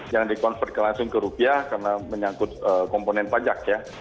jangan di convert langsung ke rupiah karena menyangkut komponen pajak ya